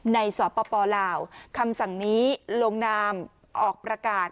สปลาวคำสั่งนี้ลงนามออกประกาศ